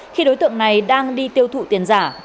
khi đối tượng này đang đi tiêu thụ tiền giả